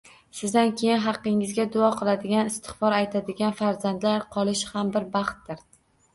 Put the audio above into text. Sizdan keyin haqqingizga duo qiladigan, istig‘for aytadigan farzandlar qolishi ham bir baxtdir.